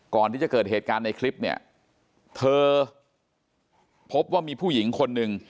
ก่อนที่จะเกิดเหตุการณ์ในคลิปเนี่ยเธอพบว่ามีผู้หญิงคนหนึ่ง